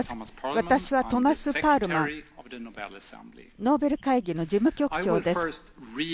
私はトーマス・パールマンノーベル会議の事務局長です。